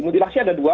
mutilasi ada dua